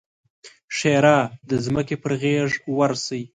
ښېرا: د ځمکې پر غېږ ورسئ!